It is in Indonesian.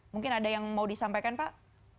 mungkin ada yang mau disampaikan pak